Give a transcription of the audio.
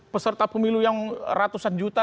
peserta pemilu yang ratusan juta